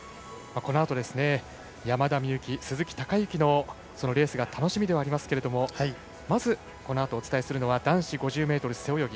このあと、山田美幸、鈴木孝幸のレースが楽しみではありますがまず、このあとお伝えするのは男子５０ｍ背泳ぎ。